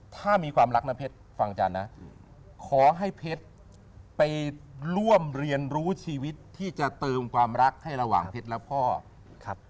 ถ้ามีความรักนะเพชรฟังอาจารย์นะขอให้เพชรไปร่วมเรียนรู้ชีวิตที่จะเติมความรักให้ระหว่างเพชรและพ่อครับ